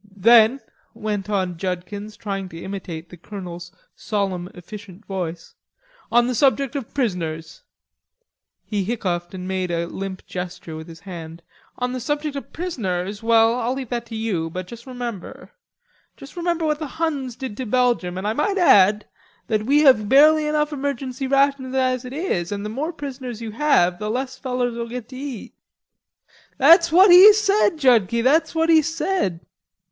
"Then," went on Judkins, trying to imitate the Colonel's solemn efficient voice, "'On the subject of prisoners'" he hiccoughed and made a limp gesture with his hand "'On the subject of prisoners, well, I'll leave that to you, but juss remember... juss remember what the Huns did to Belgium, an' I might add that we have barely enough emergency rations as it is, and the more prisoners you have the less you fellers'll git to eat.'" "That's what he said, Judkie; that's what he said."